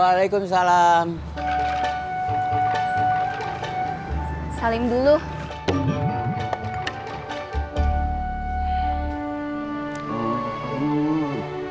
assalamualaikum waalaikumsalam saling dulu